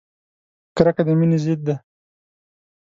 کرکه د مینې ضد ده!